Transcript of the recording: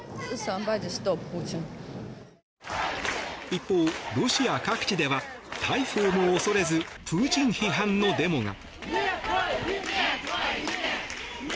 一方、ロシア各地では逮捕をも恐れずプーチン批判のデモが。